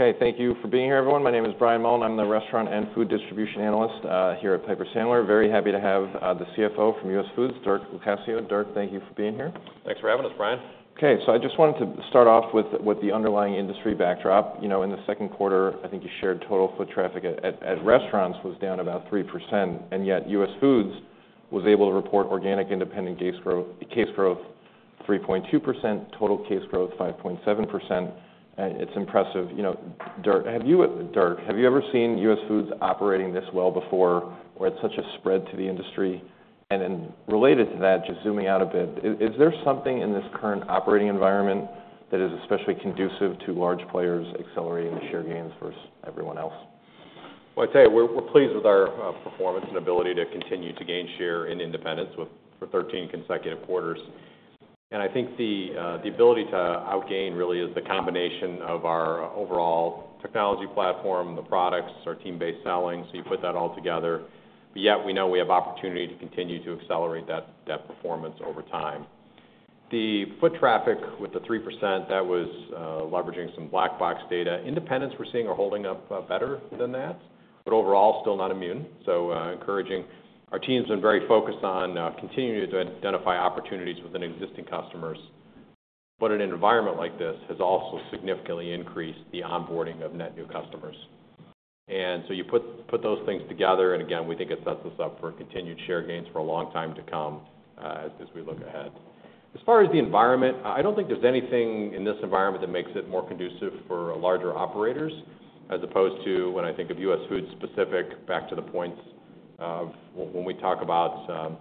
Okay, thank you for being here, everyone. My name is Brian Mullan. I'm the restaurant and food distribution analyst here at Piper Sandler. Very happy to have the CFO from US Foods, Dirk Locascio. Dirk, thank you for being here. Thanks for having us, Brian. Okay, so I just wanted to start off with the underlying industry backdrop. You know, in the second quarter, I think you shared total foot traffic at restaurants was down about 3%, and yet US Foods was able to report organic, independent case growth, case growth 3.2%, total case growth 5.7%. And it's impressive. You know, Dirk, have you, Dirk, have you ever seen US Foods operating this well before, where it's such a spread to the industry? And then related to that, just zooming out a bit, is there something in this current operating environment that is especially conducive to large players accelerating the share gains versus everyone else? I'd say we're pleased with our performance and ability to continue to gain share in independents for 13 consecutive quarters. I think the ability to outgain really is the combination of our overall technology platform, the products, our team-based selling, so you put that all together. Yet we know we have opportunity to continue to accelerate that performance over time. The foot traffic with the 3%, that was leveraging some Black Box data. Independents we're seeing are holding up better than that, but overall, still not immune, so encouraging. Our team's been very focused on continuing to identify opportunities within existing customers. An environment like this has also significantly increased the onboarding of net new customers. And so you put those things together, and again, we think it sets us up for continued share gains for a long time to come, as we look ahead. As far as the environment, I don't think there's anything in this environment that makes it more conducive for larger operators, as opposed to when I think of US Foods specific, back to the points of when we talk about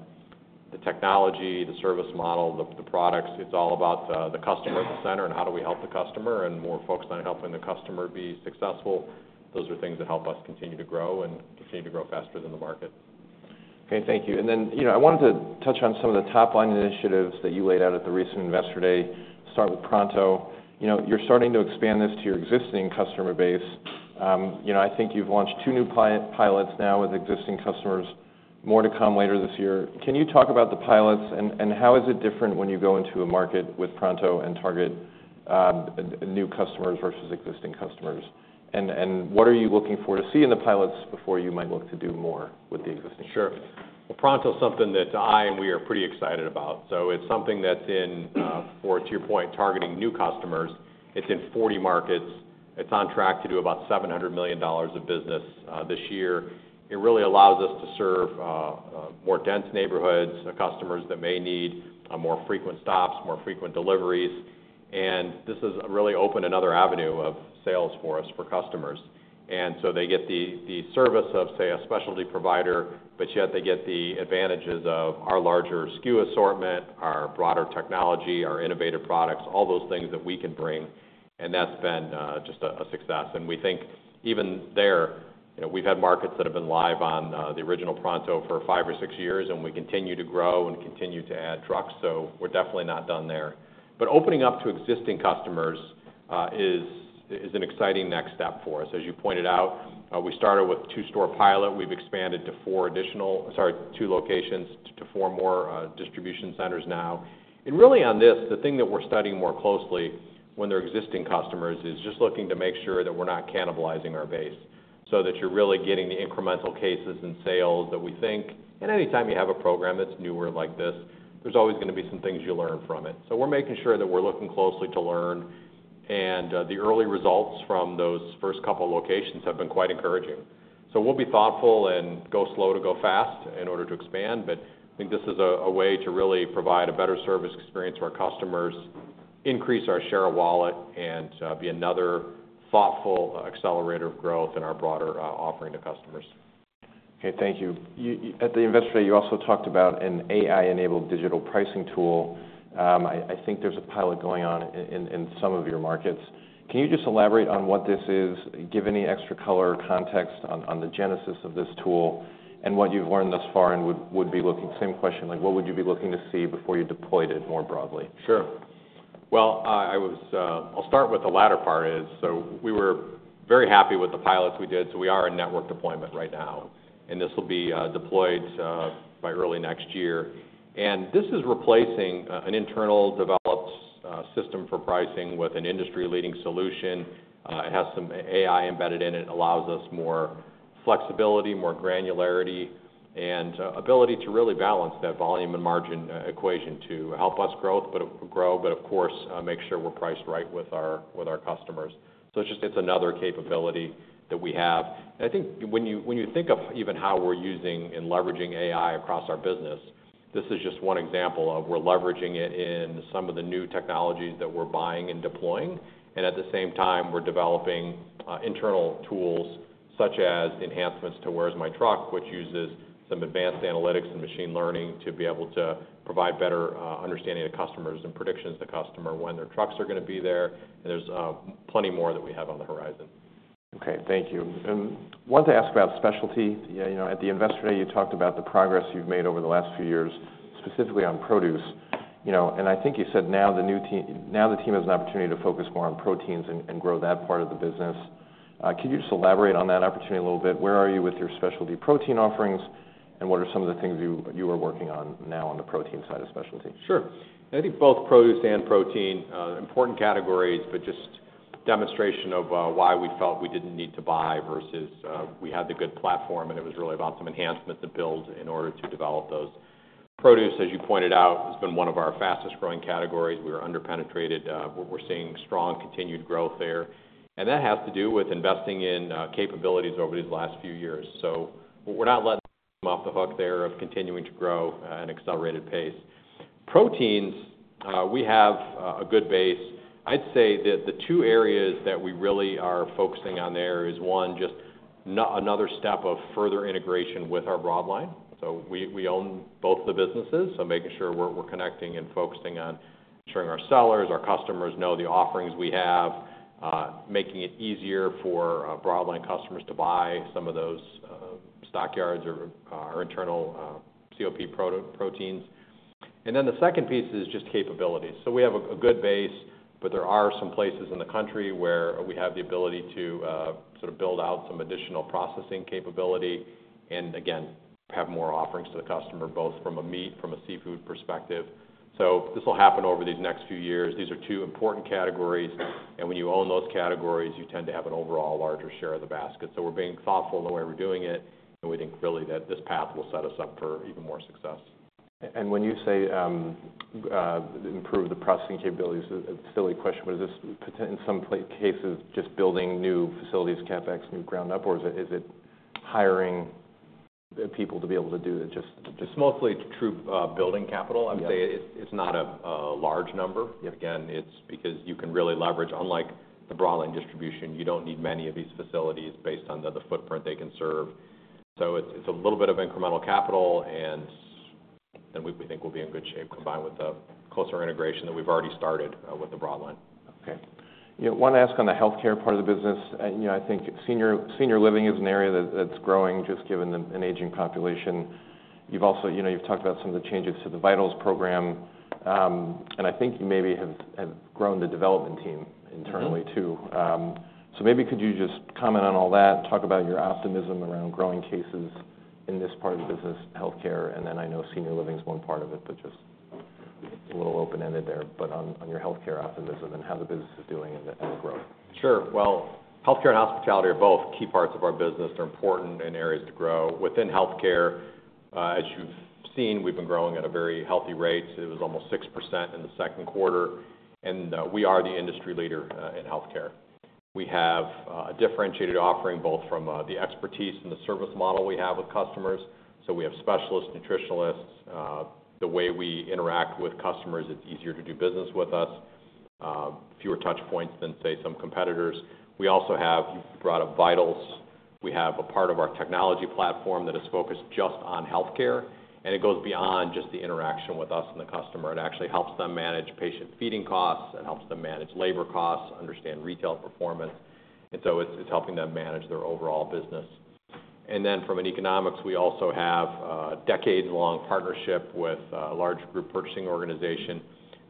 the technology, the service model, the products, it's all about the customer at the center and how do we help the customer, and more focused on helping the customer be successful. Those are things that help us continue to grow and continue to grow faster than the market. Okay, thank you. And then, you know, I wanted to touch on some of the top line initiatives that you laid out at the recent Investor Day. Start with Pronto. You know, you're starting to expand this to your existing customer base. You know, I think you've launched two new client pilots now with existing customers, more to come later this year. Can you talk about the pilots, and, and how is it different when you go into a market with Pronto and target, new customers versus existing customers? And, and what are you looking for to see in the pilots before you might look to do more with the existing customers? Sure. Well, Pronto is something that I and we are pretty excited about. So it's something that's in, or to your point, targeting new customers. It's in forty markets. It's on track to do about $700 million of business this year. It really allows us to serve more dense neighborhoods, the customers that may need more frequent stops, more frequent deliveries. And this has really opened another avenue of sales for us, for customers. And so they get the service of, say, a specialty provider, but yet they get the advantages of our larger SKU assortment, our broader technology, our innovative products, all those things that we can bring, and that's been just a success. And we think even there, you know, we've had markets that have been live on the original Pronto for five or six years, and we continue to grow and continue to add trucks, so we're definitely not done there. But opening up to existing customers is an exciting next step for us. As you pointed out, we started with a two-store pilot. We've expanded to four additional. Sorry, two locations to four more distribution centers now. And really on this, the thing that we're studying more closely when they're existing customers, is just looking to make sure that we're not cannibalizing our base, so that you're really getting the incremental cases and sales that we think. And anytime you have a program that's newer like this, there's always gonna be some things you learn from it. So we're making sure that we're looking closely to learn, and the early results from those first couple locations have been quite encouraging. So we'll be thoughtful and go slow to go fast in order to expand, but I think this is a way to really provide a better service experience for our customers, increase our share of wallet, and be another thoughtful accelerator of growth in our broader offering to customers. Okay, thank you. You at the Investor Day, you also talked about an AI-enabled digital pricing tool. I think there's a pilot going on in some of your markets. Can you just elaborate on what this is? Give any extra color or context on the genesis of this tool and what you've learned thus far and would be looking, same question, like, what would you be looking to see before you deployed it more broadly? Sure. Well, I'll start with the latter part is, so we were very happy with the pilots we did, so we are in network deployment right now, and this will be deployed by early next year. And this is replacing an internal developed system for pricing with an industry-leading solution. It has some AI embedded in it. It allows us more flexibility, more granularity, and ability to really balance that volume and margin equation to help us grow, but of course make sure we're priced right with our customers. So it's just, it's another capability that we have. I think when you think of even how we're using and leveraging AI across our business, this is just one example of we're leveraging it in some of the new technologies that we're buying and deploying. And at the same time, we're developing internal tools such as enhancements to Where's My Truck, which uses some advanced analytics and machine learning to be able to provide better understanding to customers and predictions to customers when their trucks are gonna be there, and there's plenty more that we have on the horizon. Okay, thank you. And wanted to ask about specialty. You know, at the Investor Day, you talked about the progress you've made over the last few years, specifically on produce, you know, and I think you said now the team has an opportunity to focus more on proteins and grow that part of the business. Can you just elaborate on that opportunity a little bit? Where are you with your specialty protein offerings, and what are some of the things you are working on now on the protein side of specialty? Sure. I think both produce and protein, important categories, but just demonstration of, why we felt we didn't need to buy versus, we had the good platform, and it was really about some enhancement to build in order to develop those. Produce, as you pointed out, has been one of our fastest growing categories. We were under-penetrated, but we're seeing strong continued growth there. And that has to do with investing in, capabilities over these last few years. So we're not letting them off the hook there of continuing to grow at an accelerated pace. Proteins, we have, a good base. I'd say that the two areas that we really are focusing on there is, one, another step of further integration with our broadline. We own both the businesses, so making sure we're connecting and focusing on ensuring our sellers, our customers know the offerings we have, making it easier for Broadline customers to buy some of those Stock Yards or our internal COP proteins. Then the second piece is just capabilities. We have a good base, but there are some places in the country where we have the ability to sort of build out some additional processing capability, and again, have more offerings to the customer, both from a meat, from a seafood perspective. This will happen over these next few years. These are two important categories, and when you own those categories, you tend to have an overall larger share of the basket. So we're being thoughtful in the way we're doing it, and we think really that this path will set us up for even more success. When you say improve the processing capabilities, a silly question, but is this in some cases just building new facilities, CapEx, new ground up, or is it hiring people to be able to do it, just- It's mostly true, building capital. Yeah. I'd say it's not a large number. Yeah. Again, it's because you can really leverage, unlike the broadline distribution, you don't need many of these facilities based on the footprint they can serve. So it's a little bit of incremental capital, and we think we'll be in good shape, combined with the closer integration that we've already started with the broadline. Okay. Yeah, I want to ask on the healthcare part of the business, and, you know, I think senior living is an area that's growing, just given an aging population. You've also, you know, you've talked about some of the changes to the Vitals program, and I think you maybe have grown the development team internally, too. Mm-hmm. So maybe could you just comment on all that, talk about your optimism around growing cases in this part of the business, healthcare, and then I know senior living is one part of it, but just a little open-ended there, but on your healthcare optimism and how the business is doing and the growth? Sure. Well, healthcare and hospitality are both key parts of our business. They're important and areas to grow. Within healthcare, as you've seen, we've been growing at a very healthy rate. It was almost 6% in the second quarter, and we are the industry leader in healthcare. We have a differentiated offering, both from the expertise and the service model we have with customers. So we have specialists, nutritionalists, the way we interact with customers, it's easier to do business with us. Fewer touch points than, say, some competitors. We also have. You brought up Vitals. We have a part of our technology platform that is focused just on healthcare, and it goes beyond just the interaction with us and the customer. It actually helps them manage patient feeding costs. It helps them manage labor costs, understand retail performance, and so it's helping them manage their overall business. And then from an economics, we also have decades-long partnership with a large group purchasing organization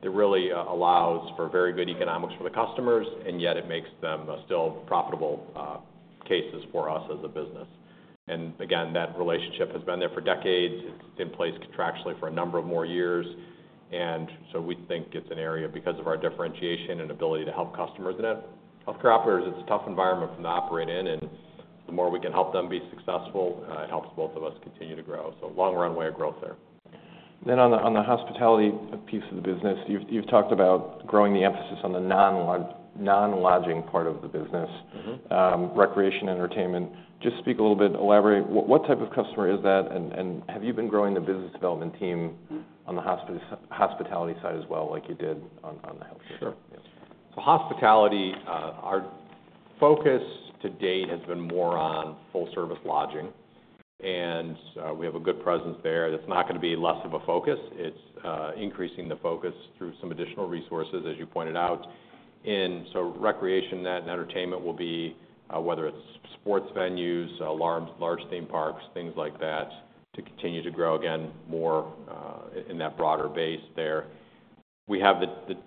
that really allows for very good economics for the customers, and yet it makes them still profitable cases for us as a business. And again, that relationship has been there for decades. It's in place contractually for a number of more years, and so we think it's an area because of our differentiation and ability to help customers. And healthcare operators, it's a tough environment for them to operate in, and the more we can help them be successful, it helps both of us continue to grow. So long runway of growth there. Then on the hospitality piece of the business, you've talked about growing the emphasis on the non-lodging part of the business. Mm-hmm. Recreation, entertainment. Just speak a little bit, elaborate. What type of customer is that? And have you been growing the business development team- Mm-hmm... on the hospitality side as well, like you did on the healthcare? Sure. Yeah. So hospitality, our focus to date has been more on full-service lodging, and we have a good presence there. That's not gonna be less of a focus. It's increasing the focus through some additional resources, as you pointed out. And so recreational and entertainment will be whether it's sports venues, large theme parks, things like that, to continue to grow, again, more in that broader base there. We have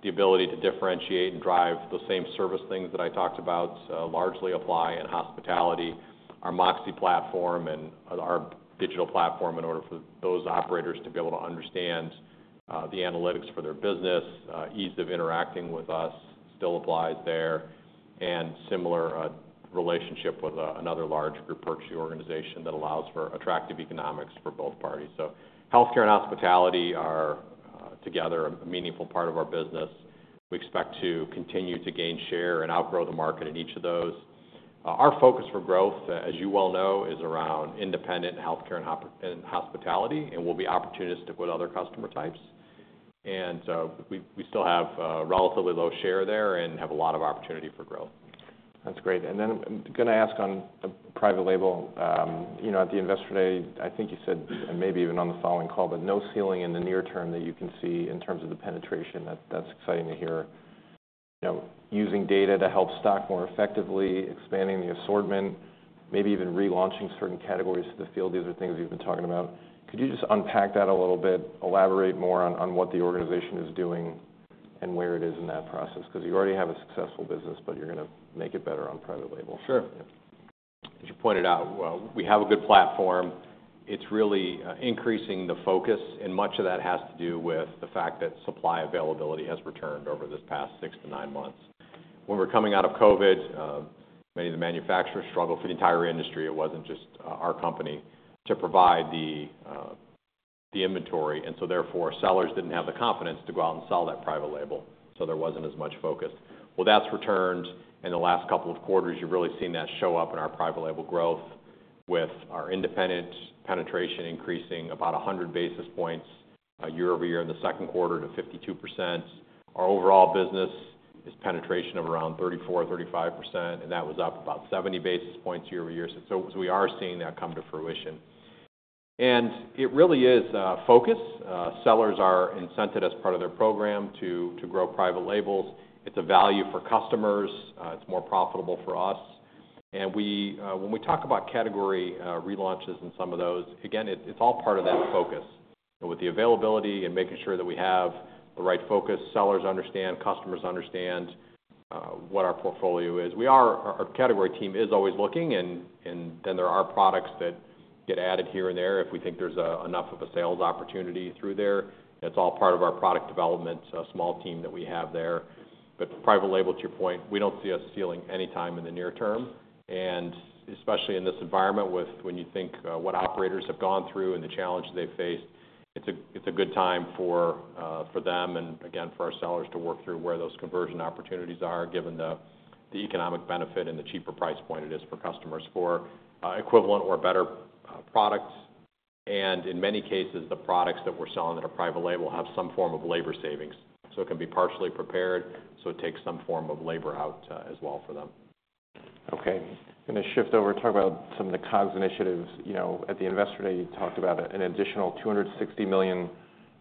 the ability to differentiate and drive the same service things that I talked about largely apply in hospitality. Our MOXē platform and our digital platform, in order for those operators to be able to understand the analytics for their business, ease of interacting with us still applies there, and similar relationship with another large group purchasing organization that allows for attractive economics for both parties. Healthcare and hospitality are together a meaningful part of our business. We expect to continue to gain share and outgrow the market in each of those. Our focus for growth, as you well know, is around independent healthcare and hospitality, and we'll be opportunistic with other customer types, and so we still have relatively low share there and have a lot of opportunity for growth. That's great. And then I'm gonna ask on the private label, you know, at the Investor Day, I think you said, and maybe even on the following call, but no ceiling in the near term that you can see in terms of the penetration. That, that's exciting to hear. You know, using data to help stock more effectively, expanding the assortment, maybe even relaunching certain categories to the field, these are things you've been talking about. Could you just unpack that a little bit, elaborate more on, on what the organization is doing... and where it is in that process, because you already have a successful business, but you're gonna make it better on private label. Sure. As you pointed out, well, we have a good platform. It's really increasing the focus, and much of that has to do with the fact that supply availability has returned over this past six to nine months. When we were coming out of COVID, many of the manufacturers struggled for the entire industry. It wasn't just our company to provide the the inventory, and so therefore, sellers didn't have the confidence to go out and sell that private label, so there wasn't as much focus. Well, that's returned. In the last couple of quarters, you've really seen that show up in our private label growth, with our independent penetration increasing about 100 basis points year-over-year in the second quarter to 52%. Our overall business is penetration of around 34-35%, and that was up about 70 basis points year-over-year. So we are seeing that come to fruition. And it really is focus. Sellers are incented as part of their program to grow private labels. It's a value for customers, it's more profitable for us. And we, when we talk about category relaunches in some of those, again, it's all part of that focus. And with the availability and making sure that we have the right focus, sellers understand, customers understand, what our portfolio is. Our category team is always looking, and then there are products that get added here and there if we think there's enough of a sales opportunity through there. That's all part of our product development, so a small team that we have there. But private label, to your point, we don't see a ceiling anytime in the near term, and especially in this environment with, when you think what operators have gone through and the challenges they've faced. It's a good time for them, and again, for our sellers to work through where those conversion opportunities are, given the economic benefit and the cheaper price point it is for customers for equivalent or better products. And in many cases, the products that we're selling that are private label have some form of labor savings, so it can be partially prepared, so it takes some form of labor out as well for them. Okay. I'm gonna shift over and talk about some of the COGS initiatives. You know, at the Investor Day, you talked about an additional $260 million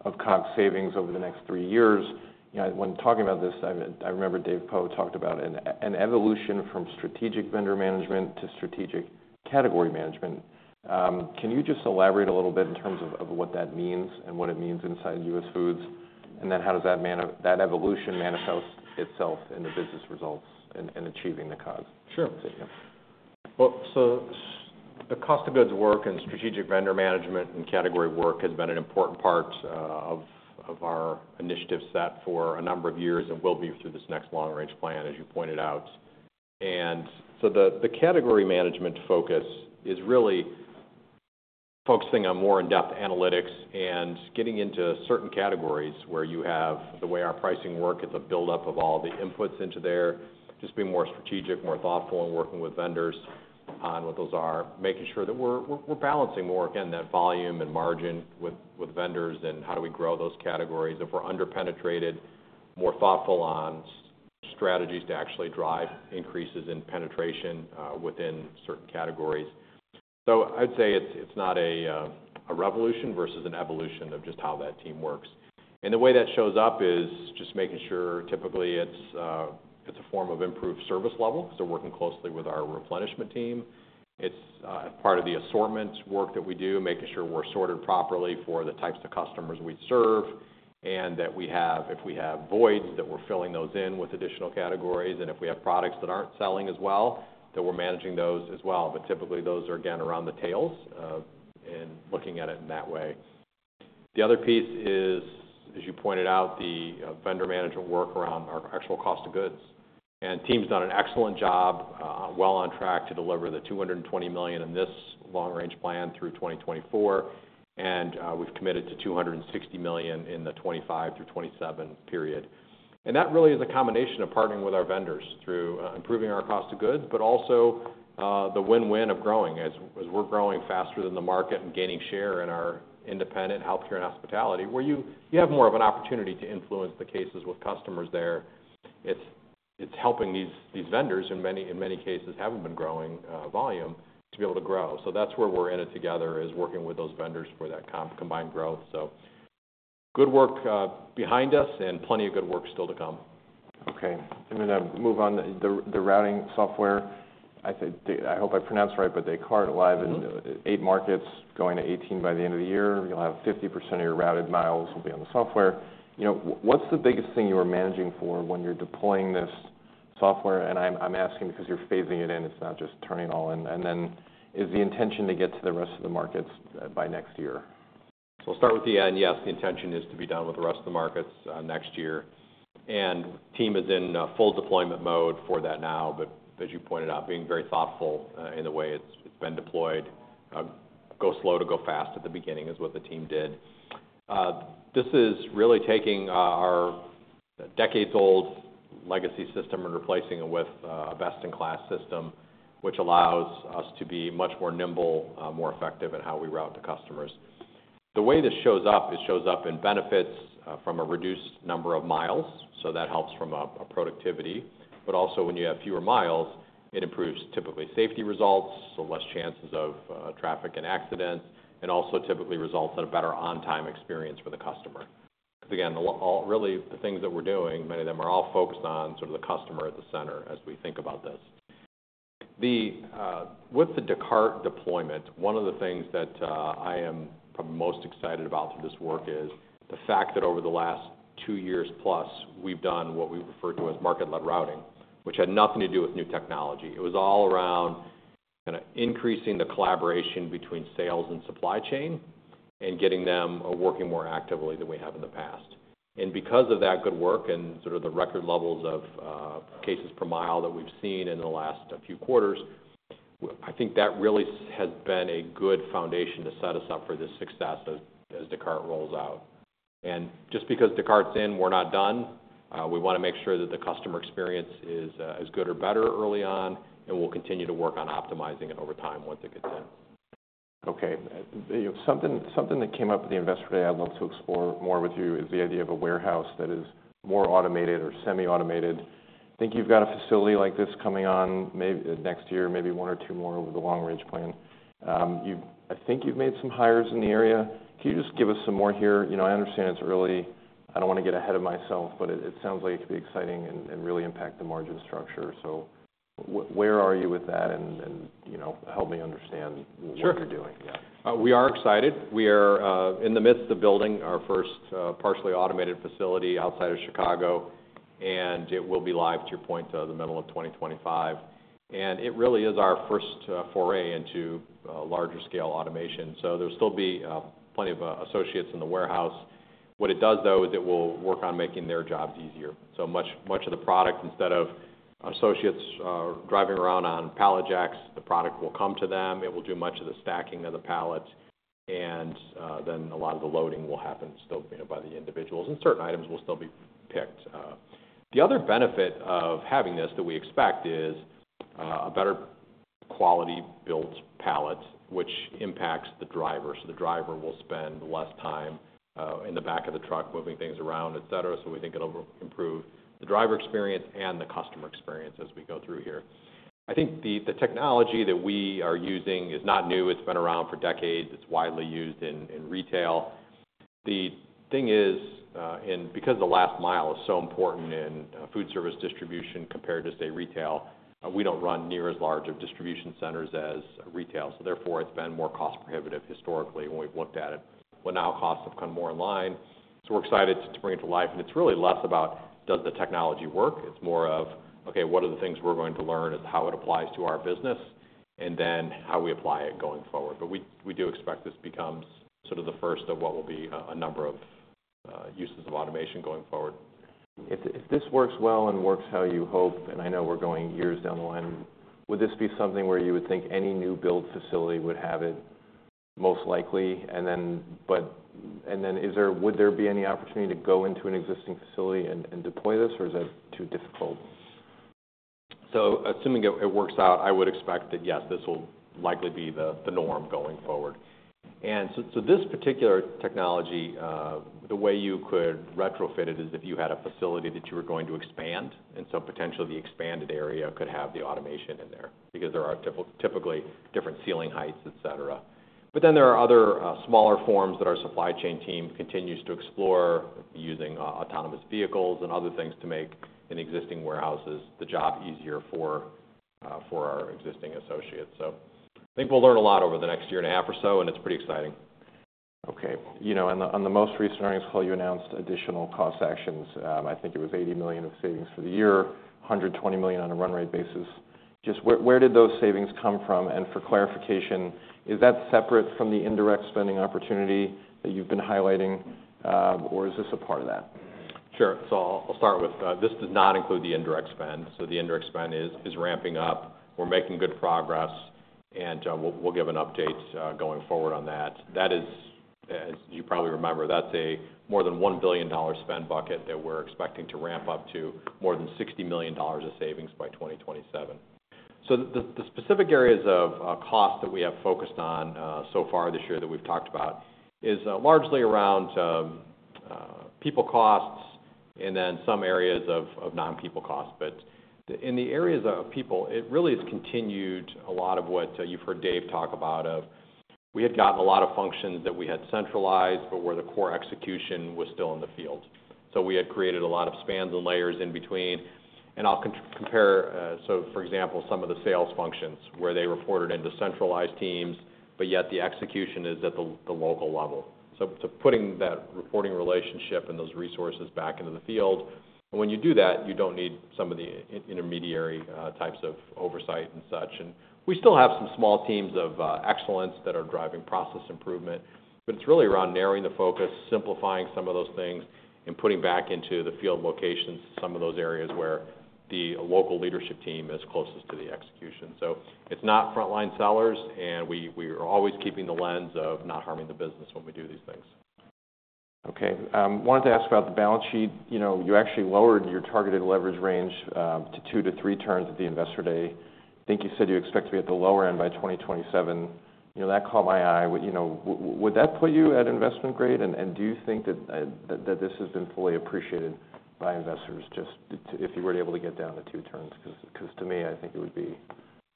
of COGS savings over the next three years. You know, when talking about this, I remember Dave Poe talked about an evolution from strategic vendor management to strategic category management. Can you just elaborate a little bit in terms of what that means and what it means inside US Foods? And then how does that evolution manifest itself in the business results and achieving the COGS? Sure. Yeah. The cost of goods work and strategic vendor management and category work has been an important part of our initiative set for a number of years and will be through this next long range plan, as you pointed out. The category management focus is really focusing on more in-depth analytics and getting into certain categories where you have the way our pricing work. It's a buildup of all the inputs into there, just being more strategic, more thoughtful, and working with vendors on what those are, making sure that we're balancing more, again, that volume and margin with vendors and how do we grow those categories. If we're under-penetrated, more thoughtful on strategies to actually drive increases in penetration within certain categories. So I'd say it's not a revolution versus an evolution of just how that team works. And the way that shows up is just making sure typically it's a form of improved service level, so working closely with our replenishment team. It's part of the assortment work that we do, making sure we're sorted properly for the types of customers we serve, and that we have, if we have voids, that we're filling those in with additional categories, and if we have products that aren't selling as well, that we're managing those as well. But typically, those are, again, around the tails, and looking at it in that way. The other piece is, as you pointed out, the vendor management work around our actual cost of goods. The team's done an excellent job, well on track to deliver $220 million in this long range plan through 2024, and we've committed to $260 million in the 2025 through 2027 period. And that really is a combination of partnering with our vendors through improving our cost of goods, but also the win-win of growing. As we're growing faster than the market and gaining share in our independent healthcare and hospitality, where you have more of an opportunity to influence the cases with customers there. It's helping these vendors, in many cases, haven't been growing volume, to be able to grow. So that's where we're in it together, is working with those vendors for that combined growth. So good work behind us and plenty of good work still to come. Okay, I'm gonna move on. The routing software, I think. I hope I pronounce it right, but they currently live- Mm-hmm. In eight markets, going to 18 by the end of the year. You'll have 50% of your routed miles on the software. You know, what's the biggest thing you are managing for when you're deploying this software? And I'm asking because you're phasing it in. It's not just turning it all in. And then, is the intention to get to the rest of the markets by next year? So I'll start with the end. Yes, the intention is to be done with the rest of the markets next year. And the team is in full deployment mode for that now, but as you pointed out, being very thoughtful in the way it's been deployed. Go slow to go fast at the beginning is what the team did. This is really taking our decades-old legacy system and replacing it with a best-in-class system, which allows us to be much more nimble, more effective in how we route the customers. The way this shows up, it shows up in benefits from a reduced number of miles, so that helps from a productivity. But also, when you have fewer miles, it improves typically safety results, so less chances of, traffic and accidents, and also typically results in a better on-time experience for the customer. Because, again, all, really, the things that we're doing, many of them are all focused on sort of the customer at the center as we think about this. With the Descartes deployment, one of the things that, I am probably most excited about through this work is the fact that over the last two years plus, we've done what we refer to as Market-Led Routing, which had nothing to do with new technology. It was all around kind of increasing the collaboration between sales and supply chain and getting them, working more actively than we have in the past. And because of that good work and sort of the record levels of cases per mile that we've seen in the last few quarters, I think that really has been a good foundation to set us up for this success as Descartes rolls out. And just because Descartes is in, we're not done. We wanna make sure that the customer experience is as good or better early on, and we'll continue to work on optimizing it over time once it gets in. Okay. Something, something that came up at the Investor Day I'd love to explore more with you is the idea of a warehouse that is more automated or semi-automated. I think you've got a facility like this coming on next year, maybe one or two more over the long range plan. I think you've made some hires in the area. Can you just give us some more here? You know, I understand it's early. I don't wanna get ahead of myself, but it sounds like it could be exciting and really impact the margin structure. So where are you with that? And, you know, help me understand- Sure. What you're doing. Yeah. We are excited. We are in the midst of building our first partially automated facility outside of Chicago, and it will be live, to your point, the middle of 2025. And it really is our first foray into larger scale automation. So there'll still be plenty of associates in the warehouse. What it does, though, is it will work on making their jobs easier. So much of the product, instead of associates driving around on pallet jacks, the product will come to them. It will do much of the stacking of the pallets, and then a lot of the loading will happen still, you know, by the individuals, and certain items will still be picked. The other benefit of having this that we expect is a better quality-built pallet, which impacts the driver. So the driver will spend less time in the back of the truck, moving things around, et cetera. So we think it'll improve the driver experience and the customer experience as we go through here. I think the technology that we are using is not new. It's been around for decades. It's widely used in retail. The thing is, and because the last mile is so important in food service distribution compared to, say, retail, we don't run near as large of distribution centers as retail, so therefore, it's been more cost prohibitive historically when we've looked at it. But now costs have come more in line, so we're excited to bring it to life. And it's really less about, does the technology work? It's more of, okay, what are the things we're going to learn and how it applies to our business, and then how we apply it going forward. But we do expect this becomes sort of the first of what will be a number of uses of automation going forward. If this works well and works how you hope, and I know we're going years down the line, would this be something where you would think any new build facility would have it most likely? Then, would there be any opportunity to go into an existing facility and deploy this, or is that too difficult? Assuming it works out, I would expect that, yes, this will likely be the norm going forward. And so this particular technology, the way you could retrofit it is if you had a facility that you were going to expand, and so potentially the expanded area could have the automation in there because there are typically different ceiling heights, et cetera. But then there are other smaller forms that our supply chain team continues to explore, using autonomous vehicles and other things to make in existing warehouses the job easier for our existing associates. So I think we'll learn a lot over the next year and a half or so, and it's pretty exciting. Okay. You know, on the most recent earnings call, you announced additional cost actions. I think it was $80 million of savings for the year, $120 million on a run rate basis. Just where did those savings come from? And for clarification, is that separate from the indirect spending opportunity that you've been highlighting, or is this a part of that? Sure. So I'll start with this does not include the indirect spend, so the indirect spend is ramping up. We're making good progress, and we'll give an update going forward on that. That is, as you probably remember, that's a more than $1 billion spend bucket that we're expecting to ramp up to more than $60 million of savings by 2027. So the specific areas of cost that we have focused on so far this year that we've talked about is largely around people costs and then some areas of non-people costs. But in the areas of people, it really has continued a lot of what you've heard Dave talk about, of we had gotten a lot of functions that we had centralized, but where the core execution was still in the field. So we had created a lot of spans and layers in between. And I'll compare, so for example, some of the sales functions, where they reported into centralized teams, but yet the execution is at the local level. So putting that reporting relationship and those resources back into the field, and when you do that, you don't need some of the intermediary types of oversight and such. And we still have some small teams of excellence that are driving process improvement, but it's really around narrowing the focus, simplifying some of those things, and putting back into the field locations some of those areas where the local leadership team is closest to the execution. So it's not frontline sellers, and we are always keeping the lens of not harming the business when we do these things. Okay. Wanted to ask about the balance sheet. You know, you actually lowered your targeted leverage range to two to three turns at the Investor Day. I think you said you expect to be at the lower end by 2027. You know, that caught my eye. You know, would that put you at investment grade? And do you think that this has been fully appreciated by investors, just if you were able to get down to two turns? 'Cause to me, I think it would be.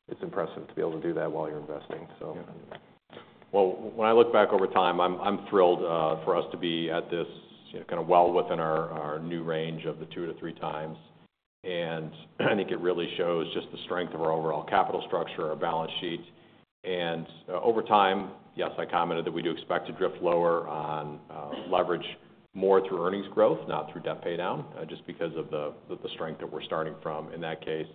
It's impressive to be able to do that while you're investing, so. Yeah. Well, when I look back over time, I'm thrilled for us to be at this, you know, kind of well within our new range of the two to three times. And I think it really shows just the strength of our overall capital structure, our balance sheet. And over time, yes, I commented that we do expect to drift lower on leverage more through earnings growth, not through debt paydown, just because of the strength that we're starting from in that case.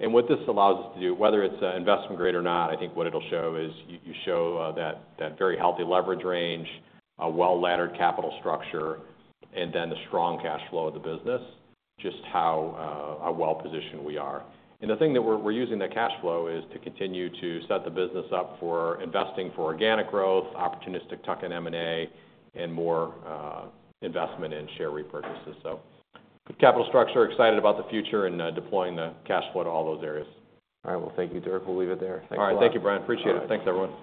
And what this allows us to do, whether it's investment grade or not, I think what it'll show is you show that very healthy leverage range, a well-laddered capital structure, and then the strong cash flow of the business, just how well-positioned we are. And the thing that we're using that cash flow is to continue to set the business up for investing for organic growth, opportunistic tuck-in M&A, and more investment in share repurchases. So, good capital structure, excited about the future and deploying the cash flow to all those areas. All right. Well, thank you, Dirk. We'll leave it there. Thanks a lot. All right. Thank you, Brian. Appreciate it. All right. Thanks, everyone.